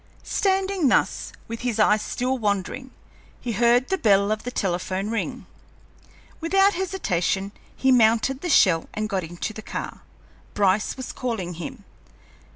Standing thus, with his eyes still wandering, he heard the bell of the telephone ring. Without hesitation he mounted the shell and got into the car. Bryce was calling him.